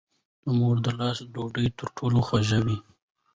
د مور د لاس ډوډۍ تر ټولو خوږه وي.